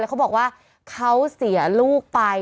เขาบอกว่าเขาเสียลูกไป